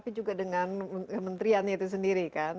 tapi juga dengan kementeriannya itu sendiri kan